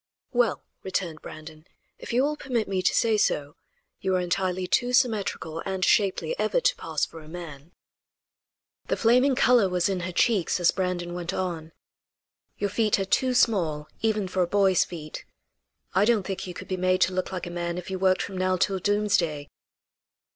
"Well," returned Brandon, "if you will permit me to say so, you are entirely too symmetrical and shapely ever to pass for a man." The flaming color was in her cheeks, as Brandon went on: "Your feet are too small, even for a boy's feet. I don't think you could be made to look like a man if you worked from now till doomsday."